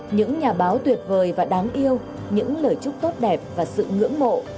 những nhà báo tuyệt vời và đáng yêu những lời chúc tốt đẹp và sự ngưỡng mộ